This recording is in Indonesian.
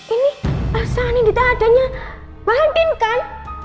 ini elsa anindita adanya mbak handin kan